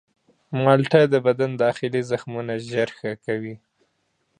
مالټه د بدن داخلي زخمونه ژر ښه کوي.